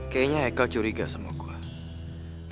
kayaknya echael curiga sama gue